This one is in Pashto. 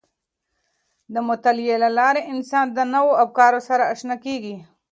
د مطالعې له لارې انسان د نوو افکارو سره آشنا کیږي.